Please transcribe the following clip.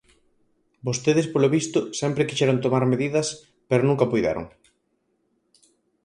Vostedes, polo visto, sempre quixeron tomar medidas, pero nunca puideron.